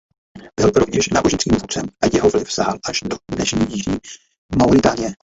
Byl rovněž náboženským vůdcem a jeho vliv sahal až do dnešní jižní Mauritánie.